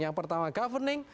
yang pertama governing